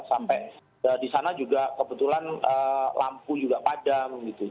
sampai di sana juga kebetulan lampu juga padam gitu